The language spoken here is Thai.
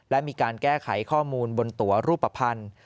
และมีการแก้ไขข้อมูลบนตัวรูปภัณฑ์